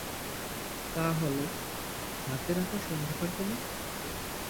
তা হলো: "রাতের আকাশ অন্ধকার কেন?"